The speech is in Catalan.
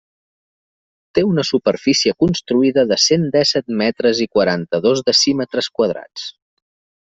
Té una superfície construïda de cent dèsset metres i quaranta-dos decímetres quadrats.